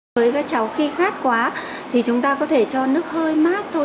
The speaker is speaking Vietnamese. với các cháu khi khoát quá thì chúng ta có thể cho nước hơi mát thôi